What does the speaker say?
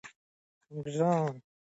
انګریزان به پټ وو.